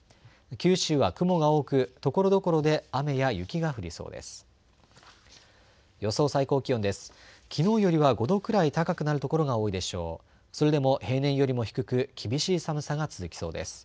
九州は雲が多くところどころで雨や雪が降りそうです。